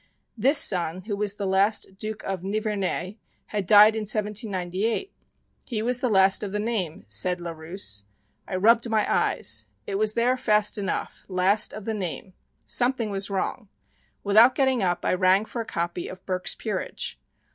This son who was the last Duc of Nivernais, had died in 1798! "He was the last of the name," said Larousse. I rubbed my eyes. It was there fast enough "last of the name." Something was wrong. Without getting up I rang for a copy of "Burke's Peerage."